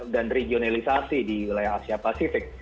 dan regionalisasi di wilayah asia pasifik